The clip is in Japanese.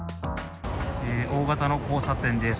大型の交差点です。